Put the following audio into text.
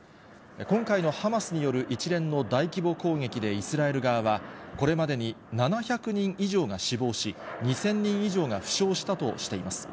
今回のハマスによる一連の大規模攻撃でイスラエル側は、これまでに７００人以上が死亡し、２０００人以上が負傷したとしています。